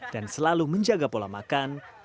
dan selalu menjaga pola makan